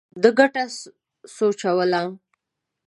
ده ګټه سوچوله.